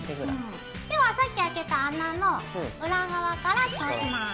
ではさっき開けた穴の裏側から通します。